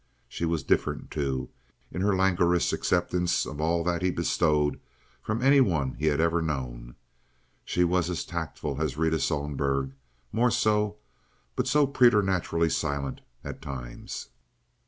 She was different, too, in her languorous acceptance of all that he bestowed from any one he had ever known. She was as tactful as Rita Sohlberg—more so—but so preternaturally silent at times.